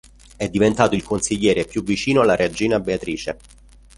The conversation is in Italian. È diventato il consigliere più vicino alla regina Beatrice.